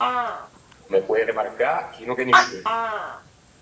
Comme poei remarcâ, chì no gh’é nisciun.